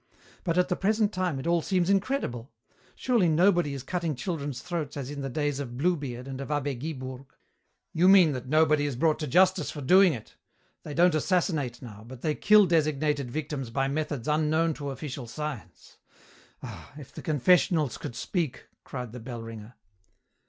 But at the present time it all seems incredible. Surely nobody is cutting children's throats as in the days of Bluebeard and of abbé Guibourg." "You mean that nobody is brought to justice for doing it. They don't assassinate now, but they kill designated victims by methods unknown to official science ah, if the confessionals could speak!" cried the bell ringer.